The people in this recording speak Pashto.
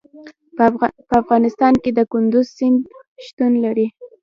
په افغانستان کې د کندز سیند شتون لري.